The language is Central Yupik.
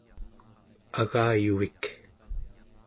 agayuvik